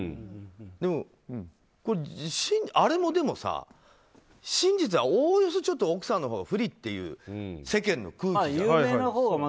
でも、あれも真実はおおよそ奥さんのほうが不利っていう世間の空気じゃない。